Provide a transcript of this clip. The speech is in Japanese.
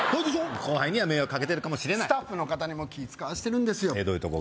後輩には迷惑かけてるかもしれないスタッフの方にも気使わせてるんですどういうとこが？